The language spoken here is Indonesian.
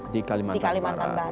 di kalimantan barat